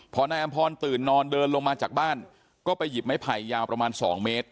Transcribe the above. พอนายอำพรตื่นนอนเดินลงมาจากบ้านก็ไปหยิบไม้ไผ่ยาวประมาณ๒เมตร